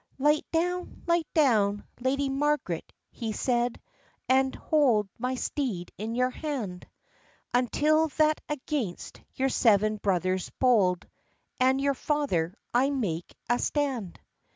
"Light down, light down, Lady Marg'ret," he said, "And hold my steed in your hand, Until that against your seven brothers bold, And your father I make a stand."